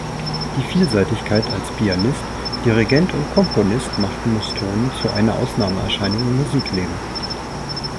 Die Vielseitigkeit als Pianist, Dirigent und Komponist macht Mustonen zu einer Ausnahmeerscheinung im Musikleben.